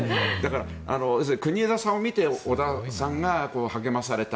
要するに国枝さんを見て小田さんが励まされた。